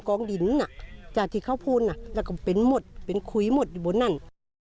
กองดินจากที่เขาพูดแล้วก็เป็นหมดเป็นคุยหมดอยู่บนนั้น